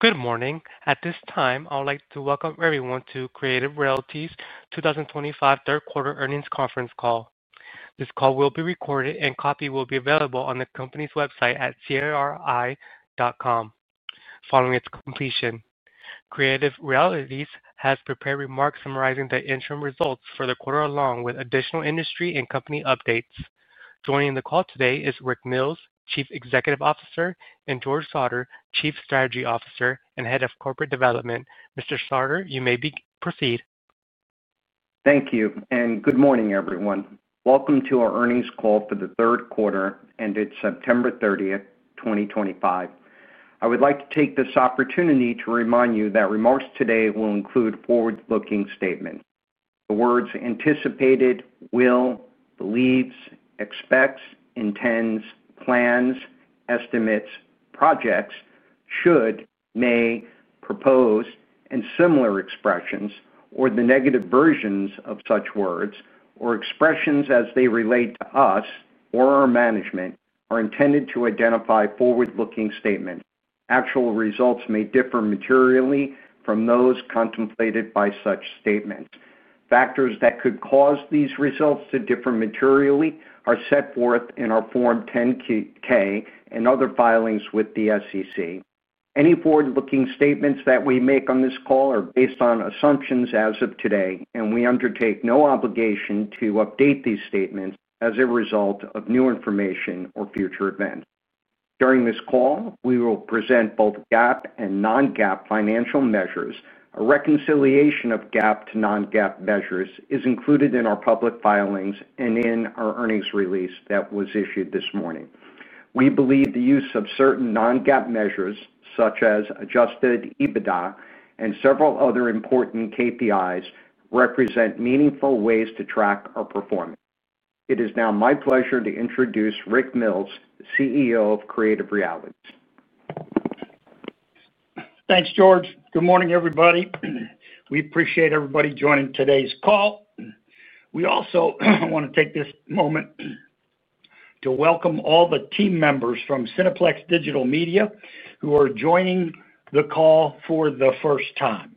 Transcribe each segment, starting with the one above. Good morning. At this time, I would like to welcome everyone to Creative Realities 2025 Third Quarter Earnings Conference Call. This call will be recorded, and a copy will be available on the company's website at cri.com Following its completion, Creative Realities has prepared remarks summarizing the interim results for the quarter, along with additional industry and company updates. Joining the call today is Rick Mills, Chief Executive Officer, and George Sautter, Chief Strategy Officer and Head of Corporate Development. Mr. Sautter, you may proceed. Thank you, and good morning, everyone. Welcome to our earnings call for the third quarter, ended September 30th 2025. I would like to take this opportunity to remind you that remarks today will include forward-looking statements. The words "anticipated," "will," "believes," "expects," "intends," "plans," "estimates," "projects," "should," "may," "propose," and similar expressions, or the negative versions of such words, or expressions as they relate to us or our management, are intended to identify forward-looking statements. Actual results may differ materially from those contemplated by such statements. Factors that could cause these results to differ materially are set forth in our Form 10-K and other filings with the SEC. Any forward-looking statements that we make on this call are based on assumptions as of today, and we undertake no obligation to update these statements as a result of new information or future events. During this call, we will present both GAAP and non-GAAP financial measures. A reconciliation of GAAP to non-GAAP measures is included in our public filings and in our earnings release that was issued this morning. We believe the use of certain non-GAAP measures, such as adjusted EBITDA and several other important KPIs, represent meaningful ways to track our performance. It is now my pleasure to introduce Rick Mills, CEO of Creative Realities. Thanks, George. Good morning, everybody. We appreciate everybody joining today's call. We also want to take this moment to welcome all the team members from Cineplex Digital Media who are joining the call for the first time.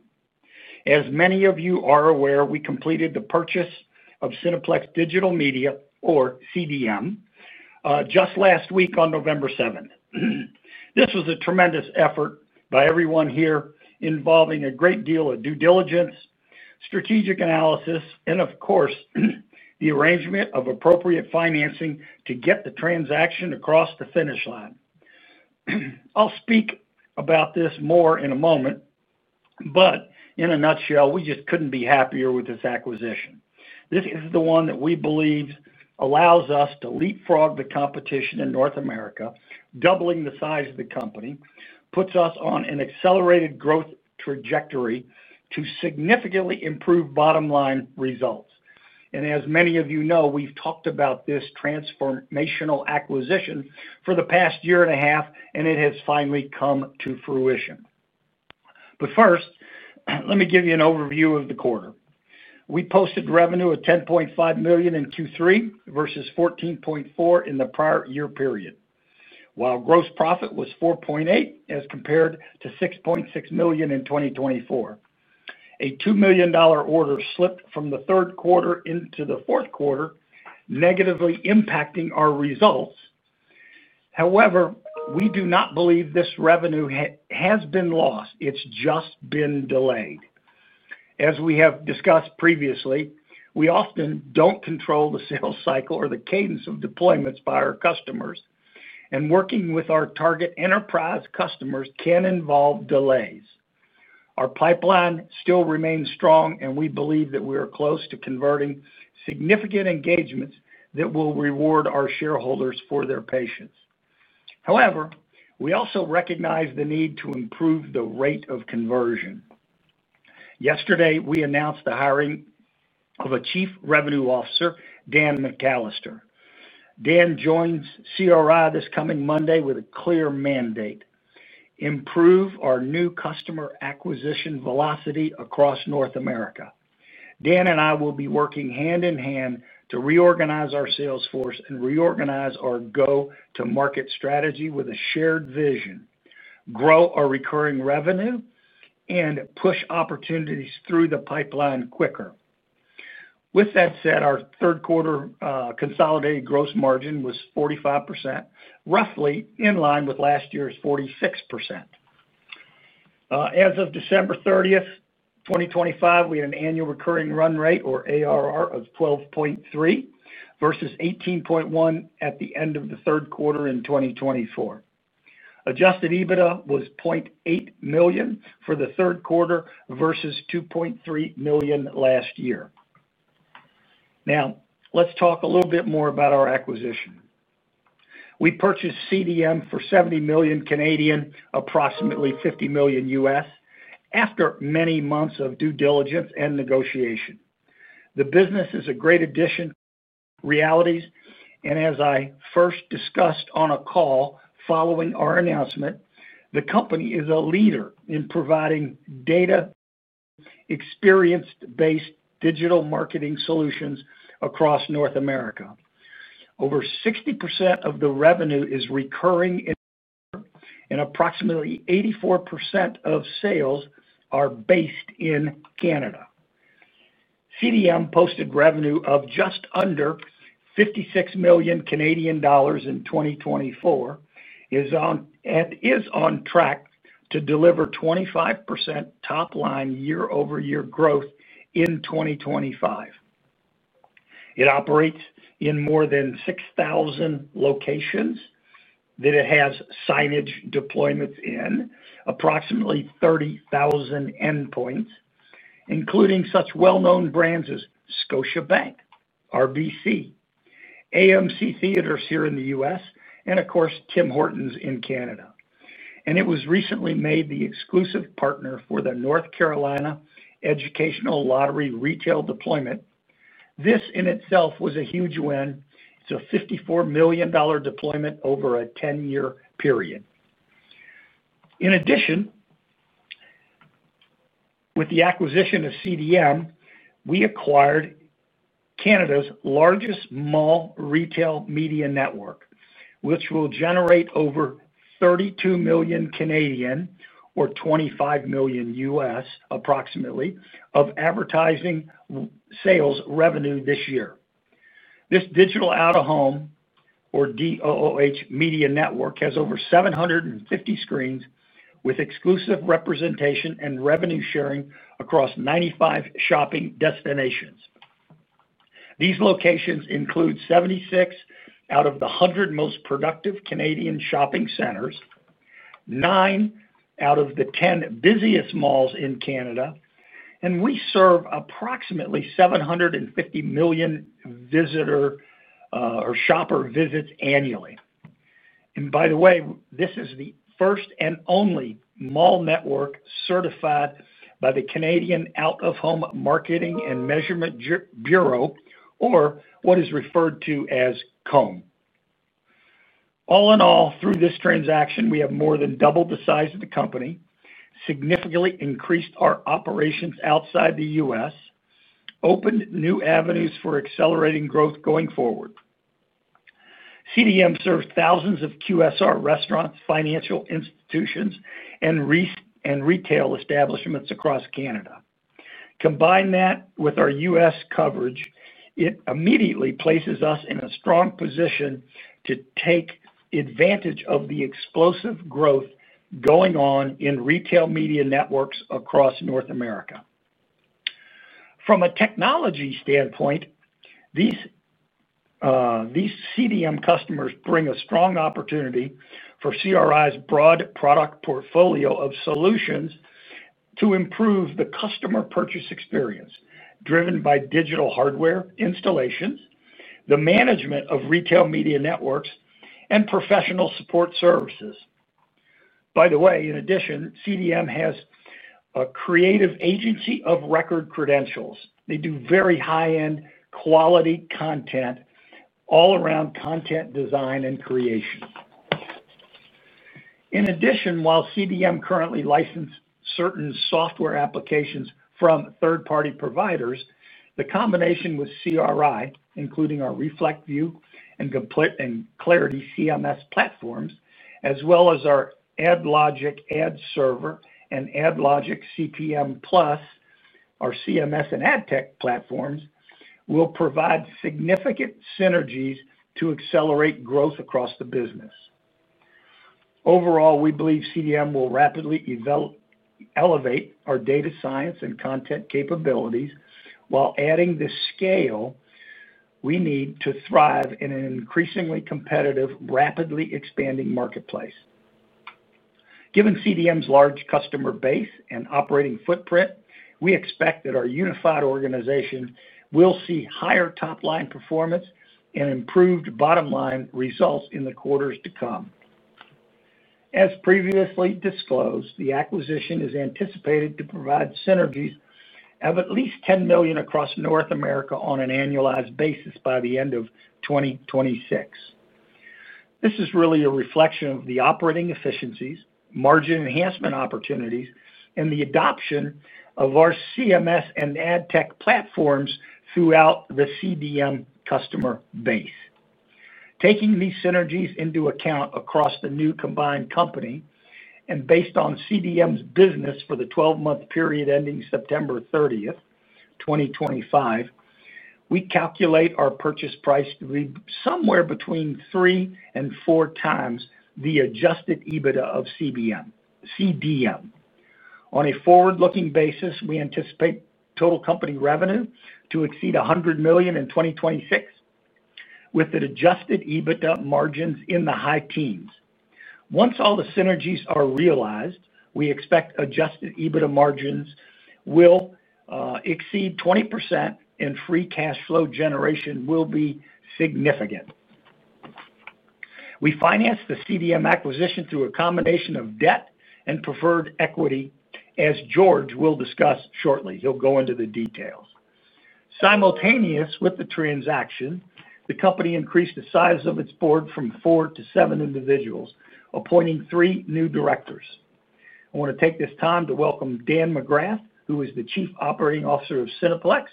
As many of you are aware, we completed the purchase of Cineplex Digital Media, or CDM, just last week on November 7. This was a tremendous effort by everyone here, involving a great deal of due diligence, strategic analysis, and, of course, the arrangement of appropriate financing to get the transaction across the finish line. I'll speak about this more in a moment, but in a nutshell, we just couldn't be happier with this acquisition. This is the one that we believe allows us to leapfrog the competition in North America, doubling the size of the company, puts us on an accelerated growth trajectory to significantly improve bottom-line results. As many of you know, we've talked about this transformational acquisition for the past year and a half, and it has finally come to fruition. First, let me give you an overview of the quarter. We posted revenue of $10.5 million in Q3 versus $14.4 million in the prior year period, while gross profit was $4.8 million as compared to $6.6 million in 2024. A $2 million order slipped from the third quarter into the fourth quarter, negatively impacting our results. However, we do not believe this revenue has been lost. It's just been delayed. As we have discussed previously, we often don't control the sales cycle or the cadence of deployments by our customers, and working with our target enterprise customers can involve delays. Our pipeline still remains strong, and we believe that we are close to converting significant engagements that will reward our shareholders for their patience. However, we also recognize the need to improve the rate of conversion. Yesterday, we announced the hiring of a Chief Revenue Officer, Dan McAllister. Dan joins CRI this coming Monday with a clear mandate: improve our new customer acquisition velocity across North America. Dan and I will be working hand in hand to reorganize our sales force and reorganize our go-to-market strategy with a shared vision, grow our recurring revenue, and push opportunities through the pipeline quicker. With that said, our third quarter consolidated gross margin was 45%, roughly in line with last year's 46%. As of December 30th 2025, we had an Annual Recurring Run rate, or ARR, of $12.3 million versus $18.1 million at the end of the third quarter in 2024. Adjusted EBITDA was $0.8 million for the third quarter versus $2.3 million last year. Now, let's talk a little bit more about our acquisition. We purchased CDM for 70 million, approximately $50 million U.S., after many months of due diligence and negotiation. The business is a great addition. Realities, and as I first discussed on a call following our announcement, the company is a leader in providing data-experienced-based digital marketing solutions across North America. Over 60% of the revenue is recurring, and approximately 84% of sales are based in Canada. CDM posted revenue of just under 56 million Canadian dollars in 2024 and is on track to deliver 25% top-line year-over-year growth in 2025. It operates in more than 6,000 locations that it has signage deployments in, approximately 30,000 endpoints, including such well-known brands as Scotiabank, RBC, AMC Theaters here in the U.S., and, of course, Tim Hortons in Canada. It was recently made the exclusive partner for the North Carolina Educational Lottery retail deployment. This in itself was a huge win. It is a $54 million deployment over a 10-year period. In addition, with the acquisition of CDM, we acquired Canada's largest mall retail media network, which will generate over 32 million, or $25 million U.S., approximately, of advertising sales revenue this year. This digital out-of-home, or DOOH, media network has over 750 screens with exclusive representation and revenue sharing across 95 shopping destinations. These locations include 76 out of the 100 most productive Canadian shopping centers, 9 out of the 10 busiest malls in Canada, and we serve approximately 750 million visitor or shopper visits annually. By the way, this is the first and only mall network certified by the Canadian Out-of-Home Marketing and Measurement Bureau, or what is referred to as COMB. All in all, through this transaction, we have more than doubled the size of the company, significantly increased our operations outside the U.S., and opened new avenues for accelerating growth going forward. CDM serves thousands of QSR restaurants, financial institutions, and retail establishments across Canada. Combine that with our U.S. coverage, it immediately places us in a strong position to take advantage of the explosive growth going on in retail media networks across North America. From a technology standpoint, these CDM customers bring a strong opportunity for CRI's broad product portfolio of solutions to improve the customer purchase experience, driven by digital hardware installations, the management of retail media networks, and professional support services. By the way, in addition, CDM has a creative agency of record credentials. They do very high-end quality content all around content design and creation. In addition, while CDM currently licenses certain software applications from third-party providers, the combination with CRI, including our ReflectView and Clarity CMS platforms, as well as our AdLogic AdServer and AdLogic CPM Plus, our CMS and AdTech platforms, will provide significant synergies to accelerate growth across the business. Overall, we believe CDM will rapidly elevate our data science and content capabilities while adding the scale we need to thrive in an increasingly competitive, rapidly expanding marketplace. Given CDM's large customer base and operating footprint, we expect that our unified organization will see higher top-line performance and improved bottom-line results in the quarters to come. As previously disclosed, the acquisition is anticipated to provide synergies of at least $10 million across North America on an annualized basis by the end of 2026. This is really a reflection of the operating efficiencies, margin enhancement opportunities, and the adoption of our CMS and AdTech platforms throughout the CDM customer base. Taking these synergies into account across the new combined company and based on CDM's business for the 12-month period ending September 30th 2025, we calculate our purchase price to be somewhere between three and four times the adjusted EBITDA of CDM. On a forward-looking basis, we anticipate total company revenue to exceed $100 million in 2026, with the adjusted EBITDA margins in the high teens. Once all the synergies are realized, we expect adjusted EBITDA margins will exceed 20% and free cash flow generation will be significant. We financed the CDM acquisition through a combination of debt and preferred equity, as George will discuss shortly. He'll go into the details. Simultaneous with the transaction, the company increased the size of its board from four to seven individuals, appointing three new directors. I want to take this time to welcome Dan McGrath, who is the Chief Operating Officer of Cineplex,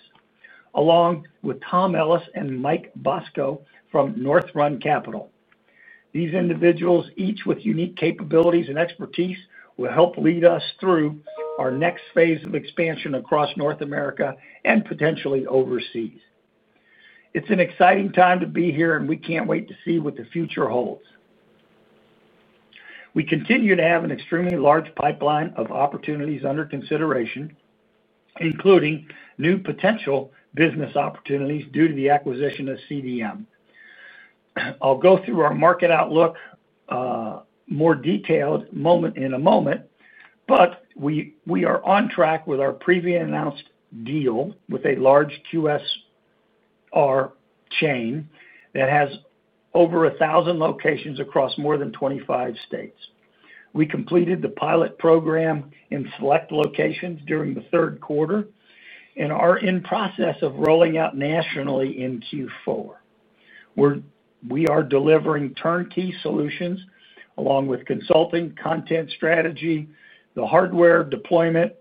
along with Tom Ellis and Mike Bosco from Northrun Capital. These individuals, each with unique capabilities and expertise, will help lead us through our next phase of expansion across North America and potentially overseas. It's an exciting time to be here, and we can't wait to see what the future holds. We continue to have an extremely large pipeline of opportunities under consideration, including new potential business opportunities due to the acquisition of CDM. I'll go through our market outlook in more detail in a moment, but we are on track with our previously announced deal with a large QSR chain that has over 1,000 locations across more than 25 states. We completed the pilot program in select locations during the third quarter and are in process of rolling out nationally in Q4. We are delivering turnkey solutions along with consulting, content strategy, the hardware deployment,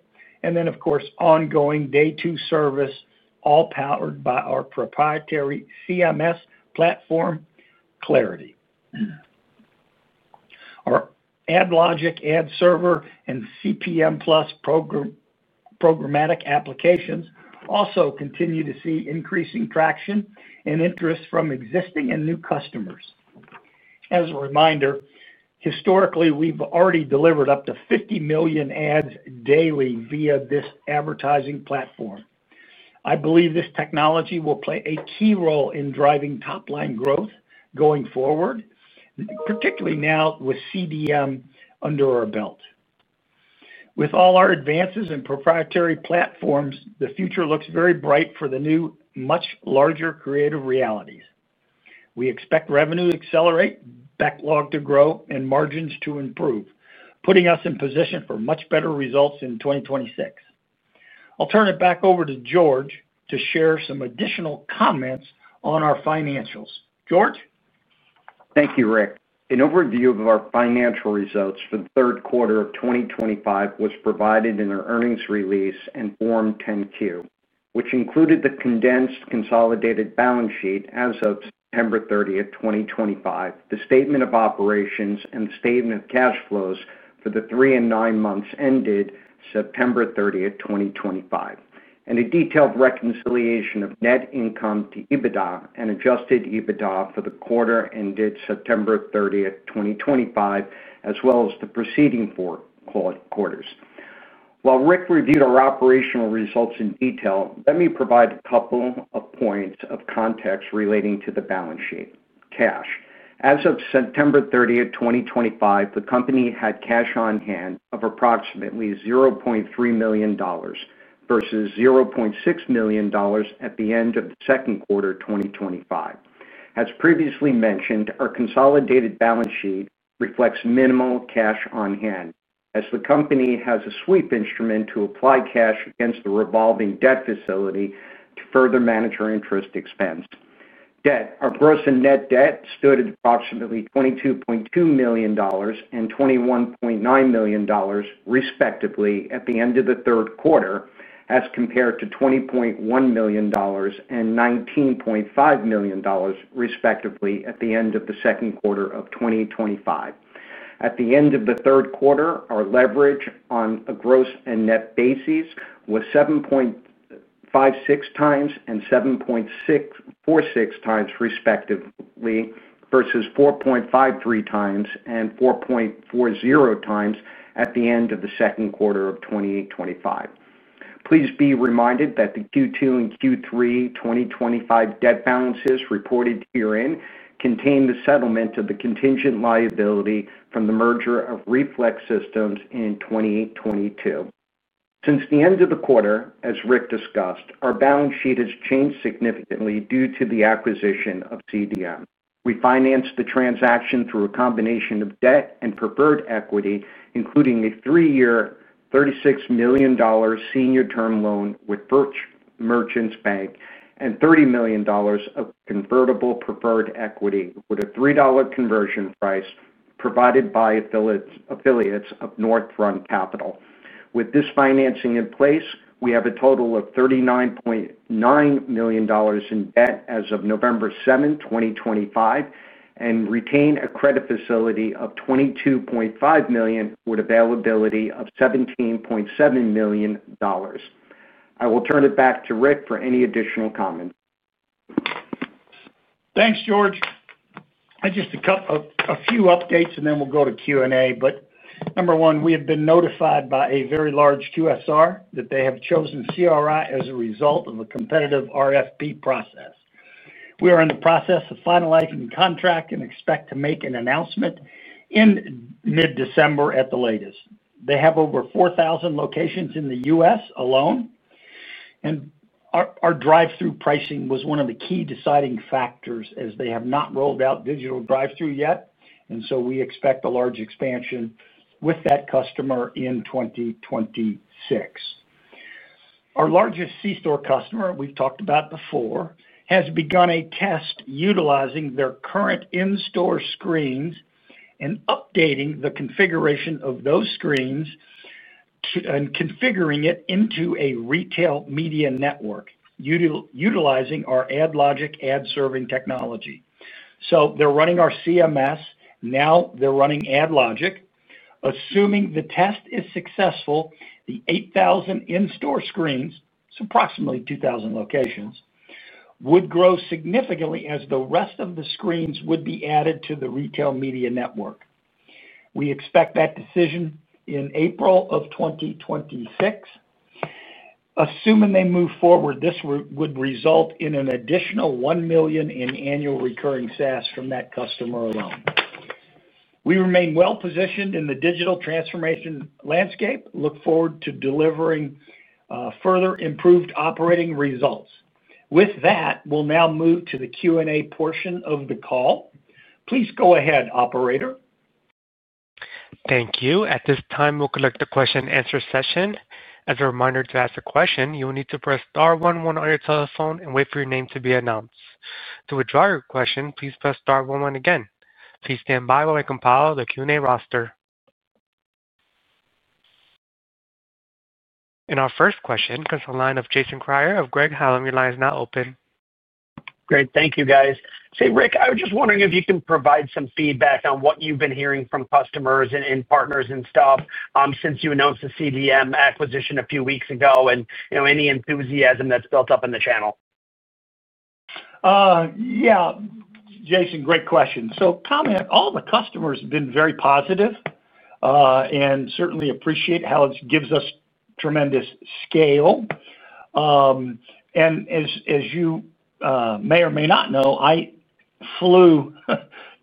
and then, of course, ongoing day-two service, all powered by our proprietary CMS platform, Clarity. Our AdLogic AdServer and CPM Plus programmatic applications also continue to see increasing traction and interest from existing and new customers. As a reminder, historically, we've already delivered up to $50 million ads daily via this advertising platform. I believe this technology will play a key role in driving top-line growth going forward, particularly now with CDM under our belt. With all our advances in proprietary platforms, the future looks very bright for the new, much larger Creative Realities. We expect revenue to accelerate, backlog to grow, and margins to improve, putting us in position for much better results in 2026. I'll turn it back over to George to share some additional comments on our financials. George? Thank you, Rick. An overview of our financial results for the third quarter of 2025 was provided in our earnings release and Form 10-Q, which included the condensed consolidated balance sheet as of September 30th 2025, the statement of operations, and the statement of cash flows for the three and nine months ended September 30th 2025, and a detailed reconciliation of net income to EBITDA and adjusted EBITDA for the quarter ended September 30th 2025, as well as the preceding four quarters. While Rick reviewed our operational results in detail, let me provide a couple of points of context relating to the balance sheet. Cash. As of September 30th 2025, the company had cash on hand of approximately $0.3 million versus $0.6 million at the end of the second quarter of 2025. As previously mentioned, our consolidated balance sheet reflects minimal cash on hand, as the company has a sweep instrument to apply cash against the revolving debt facility to further manage our interest expense. Debt. Our gross and net debt stood at approximately $22.2 million and $21.9 million, respectively, at the end of the third quarter, as compared to $20.1 million and $19.5 million, respectively, at the end of the second quarter of 2025. At the end of the third quarter, our leverage on a gross and net basis was 7.56 times and 7.46 times, respectively, versus 4.53 times and 4.40 times at the end of the second quarter of 2025. Please be reminded that the Q2 and Q3 2025 debt balances reported year-end contain the settlement of the contingent liability from the merger of Reflect Systems in 2022. Since the end of the quarter, as Rick discussed, our balance sheet has changed significantly due to the acquisition of CDM. We financed the transaction through a combination of debt and preferred equity, including a three-year $36 million senior-term loan with Merchants Bank and $30 million of convertible preferred equity with a $3 conversion price provided by affiliates of Northrun Capital. With this financing in place, we have a total of $39.9 million in debt as of November 7, 2025, and retain a credit facility of $22.5 million with availability of $17.7 million. I will turn it back to Rick for any additional comments. Thanks, George. Just a few updates, and then we will go to Q&A. Number one, we have been notified by a very large QSR that they have chosen CRI as a result of a competitive RFP process. We are in the process of finalizing the contract and expect to make an announcement in mid-December at the latest. They have over 4,000 locations in the U.S. alone, and our drive-through pricing was one of the key deciding factors, as they have not rolled out digital drive-thru yet, and we expect a large expansion with that customer in 2026. Our largest C-store customer, we have talked about before, has begun a test utilizing their current in-store screens and updating the configuration of those screens and configuring it into a retail media network utilizing our AdLogic AdServing technology. They are running our CMS. Now they are running AdLogic. Assuming the test is successful, the 8,000 in-store screens, so approximately 2,000 locations, would grow significantly as the rest of the screens would be added to the retail media network. We expect that decision in April of 2026. Assuming they move forward, this would result in an additional $1 million in annual recurring SaaS from that customer alone. We remain well-positioned in the digital transformation landscape. Look forward to delivering further improved operating results. With that, we'll now move to the Q&A portion of the call. Please go ahead, Operator. Thank you. At this time, we'll collect the question-and-answer session. As a reminder to ask a question, you will need to press star 11 on your telephone and wait for your name to be announced. To withdraw your question, please press star 11 again. Please stand by while I compile the Q&A roster. Our first question comes from the line of Jason Kreyer of Craig-Hallum, "Your line is now open." Great. Thank you, guys. Say, Rick, I was just wondering if you can provide some feedback on what you've been hearing from customers and partners and stuff since you announced the CDM acquisition a few weeks ago and any enthusiasm that's built up in the channel. Yeah, Jason, great question. Tom. All the customers have been very positive and certainly appreciate how it gives us tremendous scale. And as you may or may not know, I flew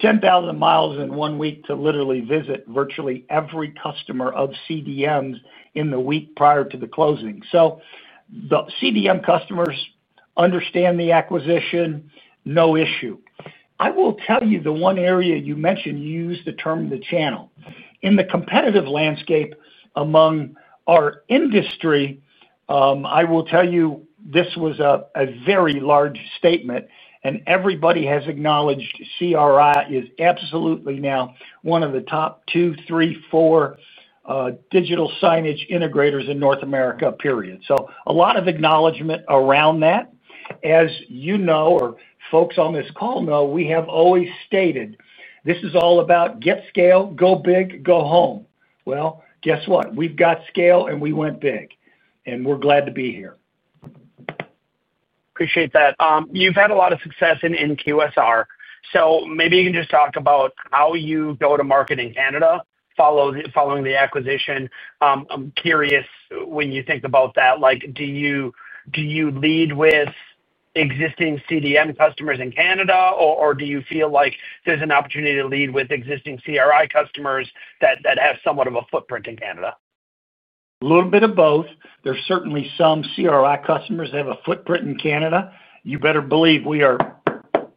10,000 mi in one week to literally visit virtually every customer of CDM's in the week prior to the closing. So the CDM customers understand the acquisition, no issue. I will tell you the one area you mentioned you used the term the channel. In the competitive landscape among our industry, I will tell you this was a very large statement, and everybody has acknowledged CRI is absolutely now one of the top two, three, four digital signage integrators in North America, period. A lot of acknowledgment around that. As you know, or folks on this call know, we have always stated, "This is all about get scale, go big, go home." Guess what? We've got scale, and we went big, and we're glad to be here. Appreciate that. You've had a lot of success in QSR. Maybe you can just talk about how you go to market in Canada following the acquisition. I'm curious when you think about that, do you lead with existing CDM customers in Canada, or do you feel like there's an opportunity to lead with existing CRI customers that have somewhat of a footprint in Canada? A little bit of both. There's certainly some CRI customers that have a footprint in Canada. You better believe we are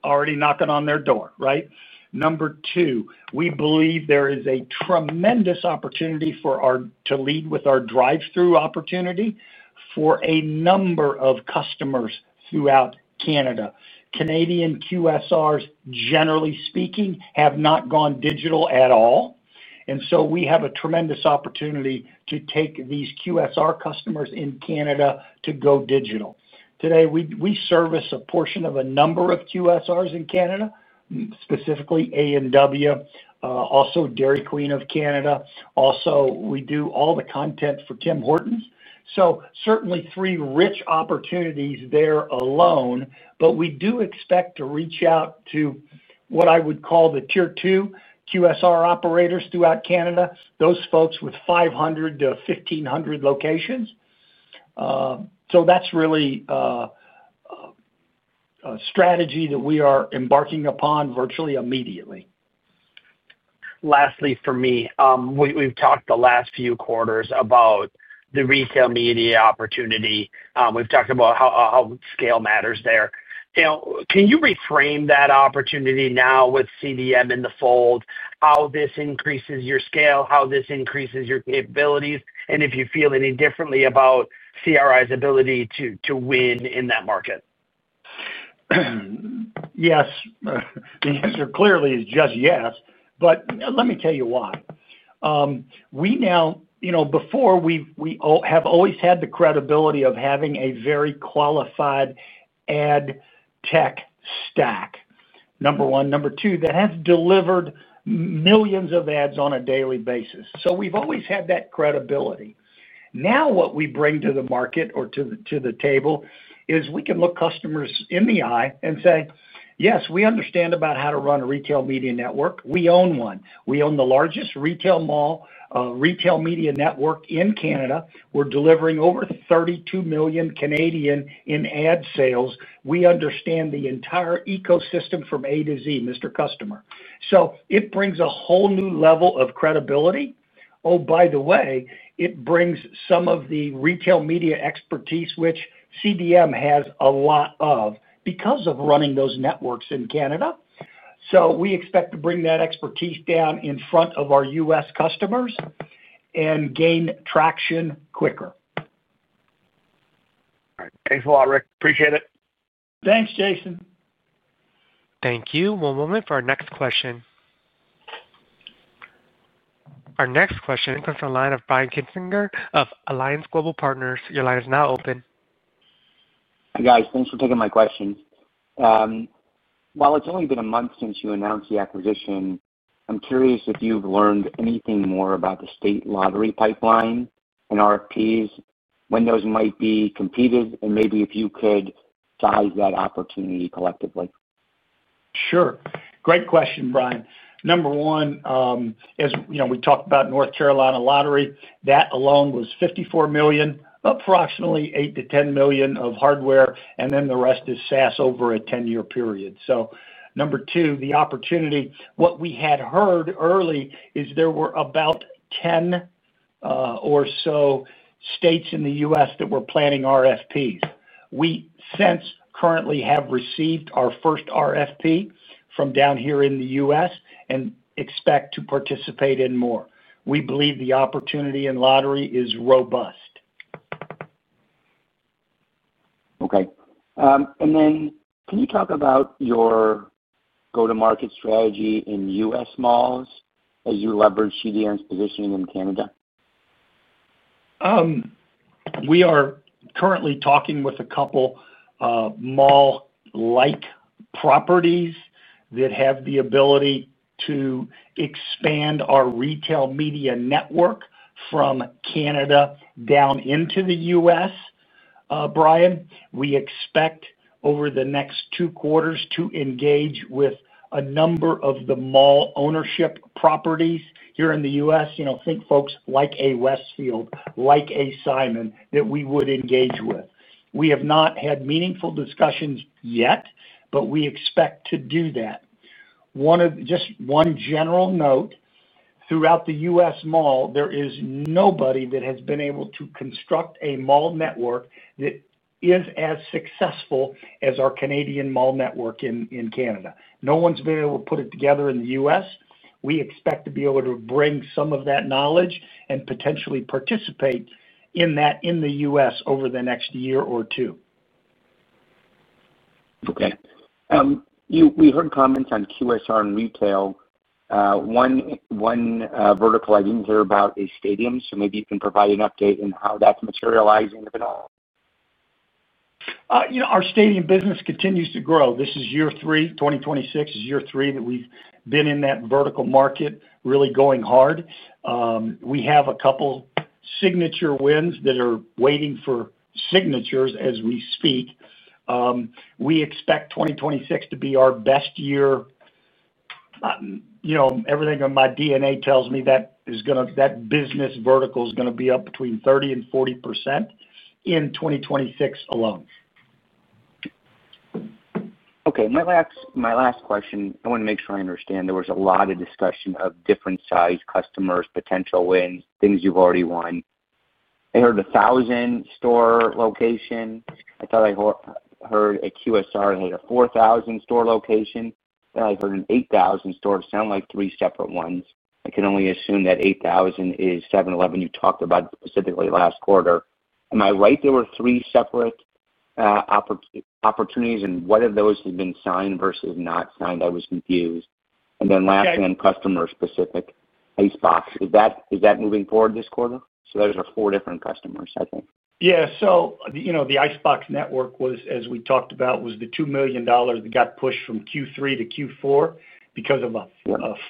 already knocking on their door, right? Number two, we believe there is a tremendous opportunity to lead with our drive-through opportunity for a number of customers throughout Canada. Canadian QSRs, generally speaking, have not gone digital at all, and so we have a tremendous opportunity to take these QSR customers in Canada to go digital. Today, we service a portion of a number of QSRs in Canada, specifically A&W, also Dairy Queen of Canada. Also, we do all the content for Tim Hortons. Certainly three rich opportunities there alone, but we do expect to reach out to what I would call the tier-two QSR operators throughout Canada. Those folks with 500-1,500 locations. That's really a strategy that we are embarking upon virtually immediately. Lastly, for me, we've talked the last few quarters about the retail media opportunity. We've talked about how scale matters there. Can you reframe that opportunity now with CDM in the fold, how this increases your scale, how this increases your capabilities, and if you feel any differently about CRI's ability to win in that market? Yes. The answer clearly is just yes, but let me tell you why. Before, we have always had the credibility of having a very qualified AdTech stack, number one. Number two, that has delivered millions of ads on a daily basis. So we've always had that credibility. Now what we bring to the market or to the table is we can look customers in the eye and say, "Yes, we understand about how to run a retail media network. We own one. We own the largest retail media network in Canada. We're delivering over 32 million in ad sales. We understand the entire ecosystem from A to Z, Mr. Customer. It brings a whole new level of credibility. Oh, by the way, it brings some of the retail media expertise, which CDM has a lot of, because of running those networks in Canada. We expect to bring that expertise down in front of our U.S. customers and gain traction quicker. Thanks a lot, Rick. Appreciate it. Thanks, Jason. Thank you. One moment for our next question. Our next question comes from the line of Brian Kinstlinger of Alliance Global Partners. Your line is now open. Hi, guys. Thanks for taking my question. While it's only been a month since you announced the acquisition, I'm curious if you've learned anything more about the state lottery pipeline and RFPs, when those might be competed, and maybe if you could size that opportunity collectively. Sure. Great question, Brian. Number one, as we talked about North Carolina Lottery, that alone was $54 million, approximately $8 million-$10 million of hardware, and then the rest is SaaS over a 10-year period. Number two, the opportunity. What we had heard early is there were about 10 or so states in the U.S. that were planning RFPs. We since currently have received our first RFP from down here in the U.S. and expect to participate in more. We believe the opportunity in lottery is robust. Okay. Can you talk about your go-to-market strategy in U.S. malls as you leverage CDM's positioning in Canada? We are currently talking with a couple of mall-like properties that have the ability to expand our retail media network from Canada down into the U.S. Brian, we expect over the next two quarters to engage with a number of the mall ownership properties here in the U.S., think folks like a Westfield, like a Simon, that we would engage with. We have not had meaningful discussions yet, but we expect to do that. Just one general note, throughout the U.S. mall, there is nobody that has been able to construct a mall network that is as successful as our Canadian mall network in Canada. No one's been able to put it together in the U.S. We expect to be able to bring some of that knowledge and potentially participate in that in the U.S. over the next year or two. Okay. We heard comments on QSR and retail. One vertical I didn't hear about is stadiums, so maybe you can provide an update in how that's materializing, if at all. Our stadium business continues to grow. This is year three. 2026 is year three that we've been in that vertical market really going hard. We have a couple of signature wins that are waiting for signatures as we speak. We expect 2026 to be our best year. Everything on my DNA tells me that business vertical is going to be up between 30-40% in 2026 alone. Okay. My last question, I want to make sure I understand. There was a lot of discussion of different-sized customers, potential wins, things you've already won. I heard a 1,000-store location. I thought I heard a QSR had a 4,000-store location. I thought I heard an 8,000-store. Sound like three separate ones. I can only assume that 8,000 is 7-Eleven you talked about specifically last quarter. Am I right? There were three separate opportunities, and what of those has been signed versus not signed? I was confused. Lastly, on customer-specific, Icebox. Is that moving forward this quarter? Those are four different customers, I think. Yeah. The Icebox network, as we talked about, was the $2 million that got pushed from Q3 to Q4 because of a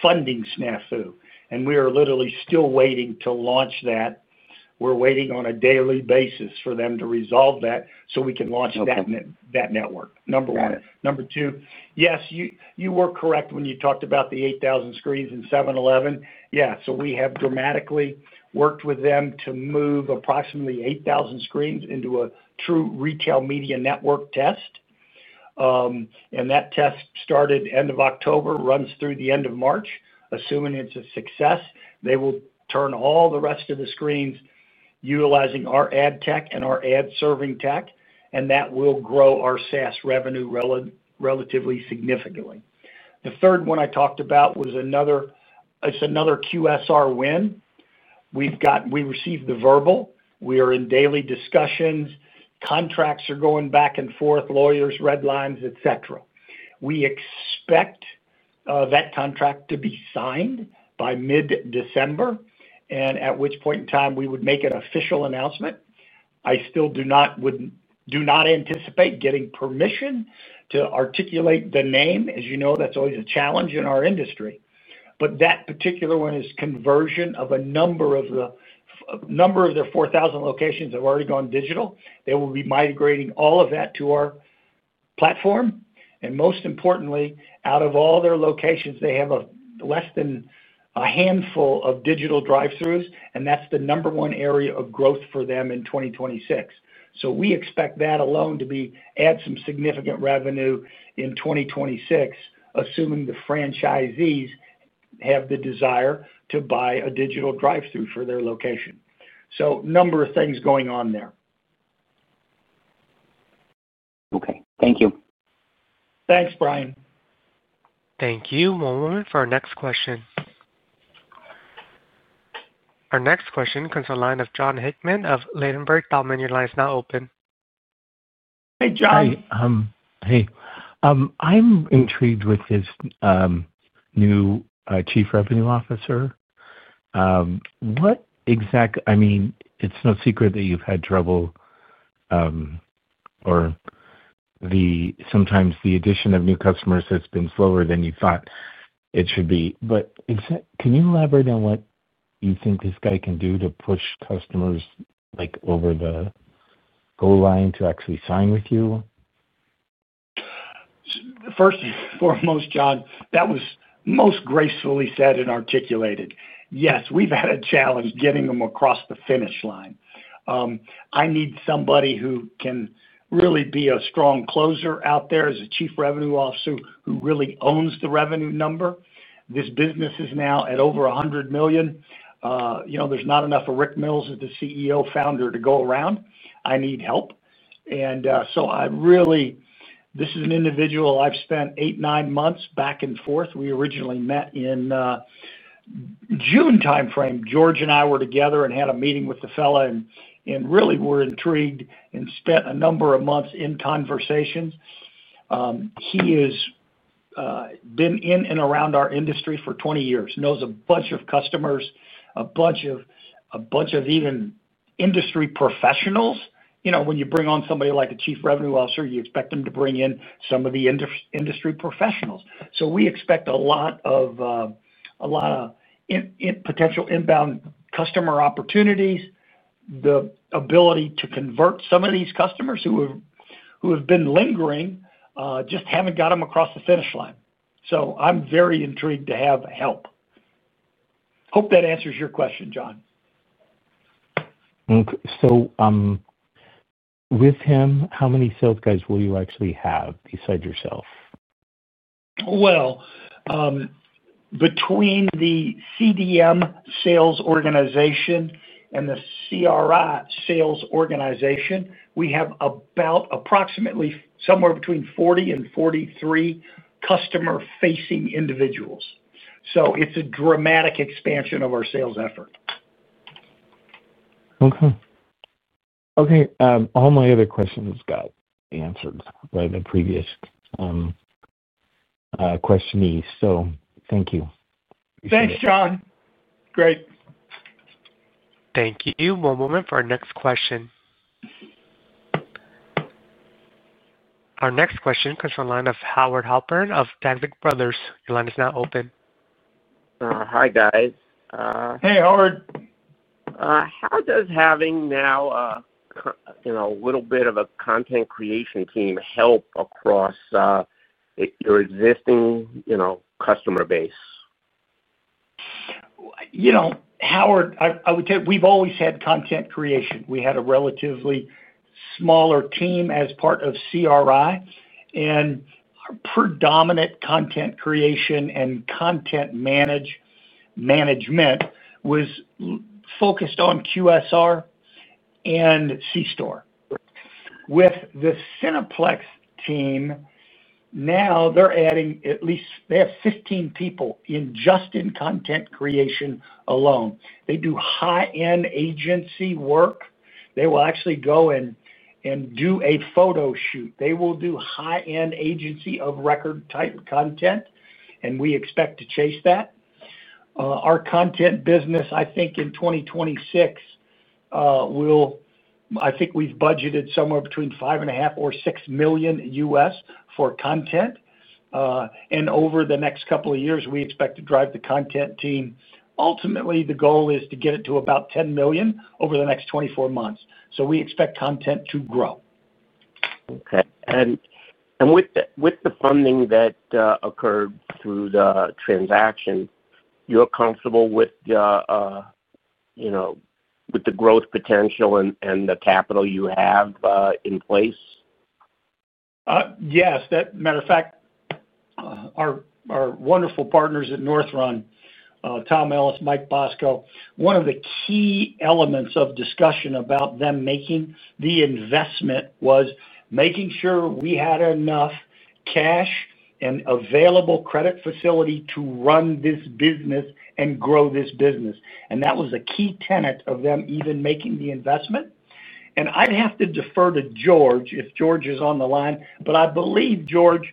funding snafu. We are literally still waiting to launch that. We are waiting on a daily basis for them to resolve that so we can launch that network, number one. Number two, yes, you were correct when you talked about the 8,000 screens and 7-Eleven. Yeah. We have dramatically worked with them to move approximately 8,000 screens into a true retail media network test. That test started end of October, runs through the end of March. Assuming it is a success, they will turn all the rest of the screens utilizing our AdTech and our ad serving tech, and that will grow our SaaS revenue relatively significantly. The third one I talked about was another QSR win. We received the verbal. We are in daily discussions. Contracts are going back and forth, lawyers, red lines, etc. We expect that contract to be signed by mid-December, at which point in time we would make an official announcement. I still do not anticipate getting permission to articulate the name. You know, that is always a challenge in our industry. That particular one is conversion of a number of their 4,000 locations that have already gone digital. They will be migrating all of that to our platform. Most importantly, out of all their locations, they have less than a handful of digital drive-thrus, and that's the number one area of growth for them in 2026. We expect that alone to add some significant revenue in 2026, assuming the franchisees have the desire to buy a digital drive-thru for their location. A number of things going on there. Okay. Thank you. Thanks, Brian. Thank you. One moment for our next question. Our next question comes from the line of Jon Hickman of Ladenburg Thalmann. Line is now open. Hey, Jon. Hey. I'm intrigued with this new Chief Revenue Officer. I mean, it's no secret that you've had trouble, or sometimes the addition of new customers has been slower than you thought it should be. Can you elaborate on what you think this guy can do to push customers over the goal line to actually sign with you? First and foremost, Jon, that was most gracefully said and articulated. Yes, we've had a challenge getting them across the finish line. I need somebody who can really be a strong closer out there as a Chief Revenue Officer who really owns the revenue number. This business is now at over $100 million. There's not enough of Rick Mills as the CEO founder to go around. I need help. This is an individual I've spent eight, nine months back and forth. We originally met in June timeframe. George and I were together and had a meeting with the fellow and really were intrigued and spent a number of months in conversations. He has been in and around our industry for 20 years, knows a bunch of customers, a bunch of even industry professionals. When you bring on somebody like a Chief Revenue Officer, you expect them to bring in some of the industry professionals. We expect a lot of potential inbound customer opportunities, the ability to convert some of these customers who have been lingering, just have not got them across the finish line. I am very intrigued to have help. Hope that answers your question, John. With him, how many sales guys will you actually have beside yourself? Between the CDM sales organization and the CRI sales organization, we have approximately somewhere between 40 and 43 customer-facing individuals. It is a dramatic expansion of our sales effort. Okay. All my other questions got answered by the previous questionee. Thank you. Thanks, Jon. Great. Thank you. One moment for our next question. Our next question comes from the line of Howard Halpern of Taglich Brothers. Your line is now open. Hi, guys. Hey, Howard. How does having now a little bit of a content creation team help across your existing customer base? Howard, I would say we've always had content creation. We had a relatively smaller team as part of CRI, and our predominant content creation and content management was focused on QSR and C-Store. With the Cineplex team now, they have 15 people just in content creation alone. They do high-end agency work. They will actually go and do a photo shoot. They will do high-end agency of record-type content, and we expect to chase that. Our content business, I think in 2026, I think we've budgeted somewhere between $5.5 million-$6 million U.S. for content. Over the next couple of years, we expect to drive the content team. Ultimately, the goal is to get it to about $10 million over the next 24 months. We expect content to grow. Okay. With the funding that occurred through the transaction, you're comfortable with the growth potential and the capital you have in place? Yes. As a matter of fact, our wonderful partners at Northrun, Tom Ellis, Mike Bosco, one of the key elements of discussion about them making the investment was making sure we had enough cash and available credit facility to run this business and grow this business. That was a key tenet of them even making the investment. I'd have to defer to George if George is on the line, but I believe, George,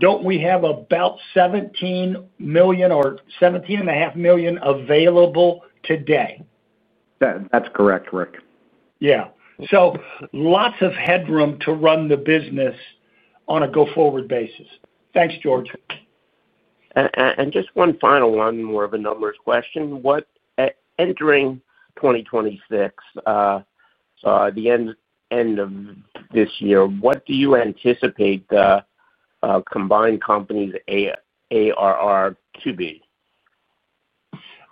don't we have about $17 million or $17.5 million available today? That's correct, Rick. Yeah. Lots of headroom to run the business on a go-forward basis. Thanks, George. And just one final, one more of a numbers question. Entering 2026, the end of this year, what do you anticipate the combined companies ARR to be?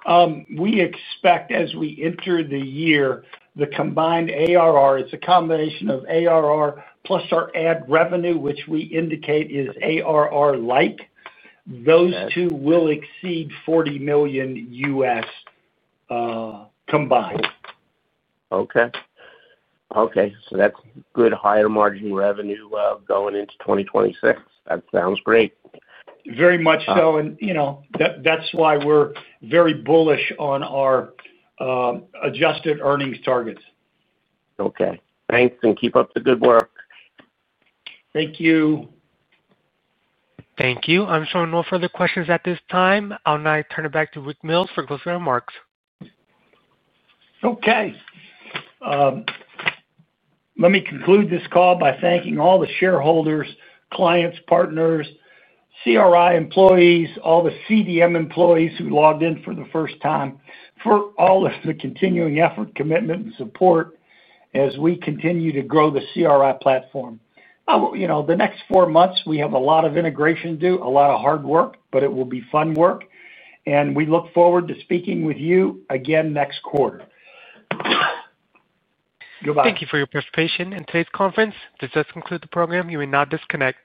We expect, as we enter the year, the combined ARR, it's a combination of ARR plus our ad revenue, which we indicate is ARR-like. Those two will exceed $40 million U.S. combined. Okay. Okay. So that's good higher margin revenue going into 2026. That sounds great. Very much so. And that's why we're very bullish on our adjusted earnings targets. Okay. Thanks and keep up the good work. Thank you. Thank you. I'm showing no further questions at this time. I'll now turn it back to Rick Mills for closing remarks. Okay. Let me conclude this call by thanking all the shareholders, clients, partners, CRI employees, all the CDM employees who logged in for the first time, for all of the continuing effort, commitment, and support as we continue to grow the CRI platform. The next four months, we have a lot of integration to do, a lot of hard work, but it will be fun work. We look forward to speaking with you again next quarter. Goodbye. Thank you for your participation in today's conference. This does conclude the program. You may now disconnect.